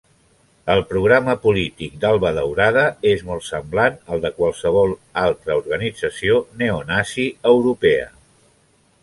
El programa polític d'Alba Daurada és molt semblant al de qualsevol altra organització neonazi europea.